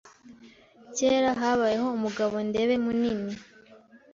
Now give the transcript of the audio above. Kera habayeho umugabo Ndebe munini